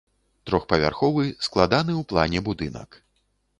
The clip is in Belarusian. Трохпавярховы, складаны ў плане будынак.